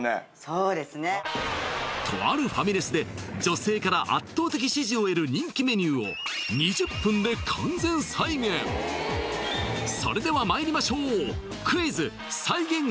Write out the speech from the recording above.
そうですねとあるファミレスで女性から圧倒的支持を得る人気メニューを２０分で完全再現それではまいりましょう